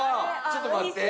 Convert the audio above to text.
ちょっと待って。